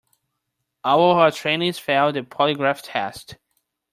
All of our trainees failed the polygraph test.